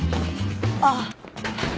ああ。